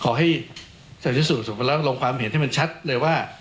ขอให้สาธิสูตสูงแล้วลงความเห็นให้มันชัดเลยว่า